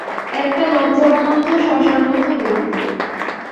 একটা লজ্জাবনত শসার মতো দেখতে।